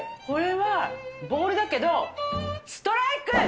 これはボールだけど、ストライク！